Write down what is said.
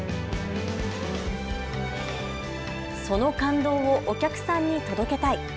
その感動をお客さんに届けたい。